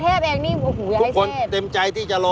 กรุงเทพฯเองทุกคนเต็มใจที่จะรอ